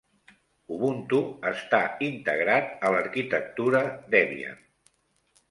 Ubuntu està integrat a l'arquitectura Debian